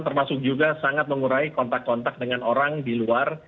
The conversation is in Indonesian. termasuk juga sangat mengurai kontak kontak dengan orang di luar